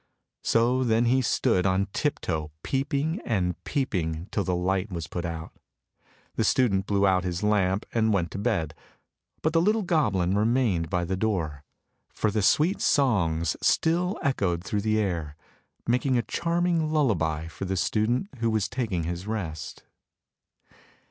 So then he stood on tip toe peeping and peeping till the light was put out. The student blew out his lamp and went to bed, but the little goblin remained by the door, for the sweet songs still echoed through THE GOBLIN AND THE HUCKSTER 81 the air, making a charming lullaby for the student who was taking his rest.